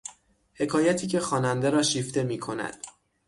حکایتی که خواننده را شیفته میکند